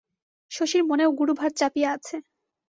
শশীর মনেও গুরুভার চাপিয়া আছে।